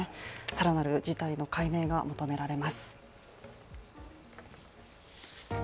更なる事態の解明が求められます。